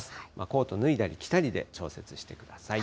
コートを脱いだり着たりで調節してください。